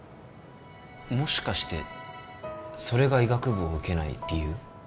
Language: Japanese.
もしかしてそれが医学部を受けない理由？